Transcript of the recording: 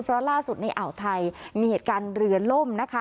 เพราะล่าสุดในอ่าวไทยมีเหตุการณ์เรือล่มนะคะ